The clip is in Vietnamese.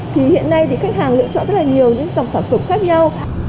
thì hiện nay thì khách hàng lựa chọn rất là nhiều những dòng sản phẩm khác nhau